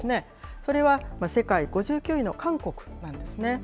それは世界５９位の韓国なんですね。